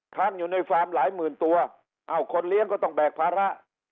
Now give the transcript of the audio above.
ค้างอยู่ในฟาร์มหลายหมื่นตัวอ้าวคนเลี้ยงก็ต้องแบกภาระ